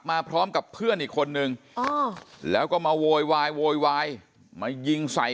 มาพร้อมกับเพื่อนอีกคนนึงแล้วก็มาโวยวายโวยวายมายิงใส่